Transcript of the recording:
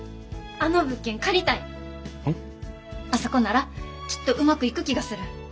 あそこならきっとうまくいく気がする。